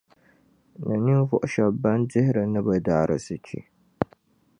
Ni ninvuɣu shεba ban dihiri ni bɛ daarzichi.